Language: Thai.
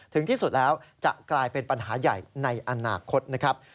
ถึงที่สุดแล้วจะกลายเป็นปัญหาใหญ่ในอนาคตนะครับ